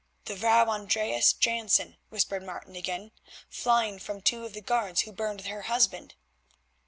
"The Vrouw Andreas Jansen," whispered Martin again, "flying from two of the guard who burned her husband."